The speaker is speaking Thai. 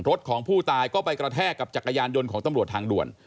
รถของผู้ตายก็ไปกระแทกกับจักรยานยนต์ของตำรวจทางด่วน